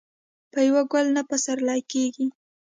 په يو ګل نه پسرلی کيږي.